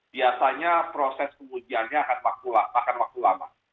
biasanya proses pengujiannya akan makan waktu lama